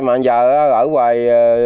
mà giờ ở ngoài